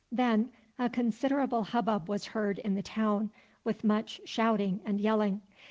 Then a considerable hubbub was heard in the town, with much shouting and yelling.